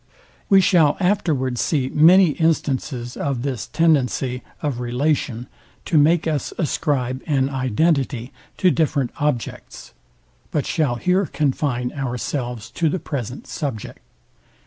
We shall afterwards see many instances of this tendency of relation to make us ascribe an identity to different objects; but shall here confine ourselves to the present subject.